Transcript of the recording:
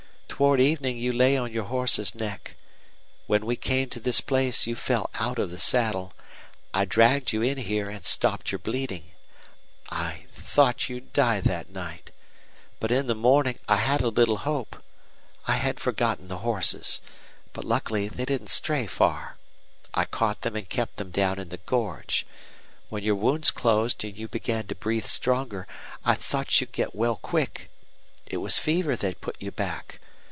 Toward evening you lay on your horse's neck. When we came to this place you fell out of the saddle. I dragged you in here and stopped your bleeding. I thought you'd die that night. But in the morning I had a little hope. I had forgotten the horses. But luckily they didn't stray far. I caught them and kept them down in the gorge. When your wounds closed and you began to breathe stronger I thought you'd get well quick. It was fever that put you back.